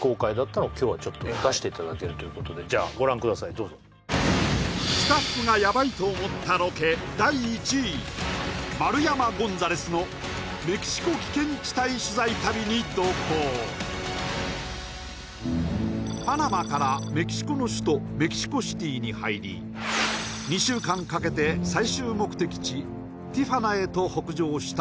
どうぞスタッフがヤバいと思ったロケ第１位丸山ゴンザレスのパナマからメキシコの首都メキシコシティに入り２週間かけて最終目的地ティファナへと北上した